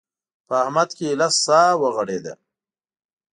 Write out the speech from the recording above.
په احمد کې ايله سا غړېده.